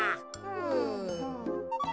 うん。